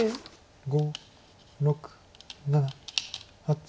５６７８。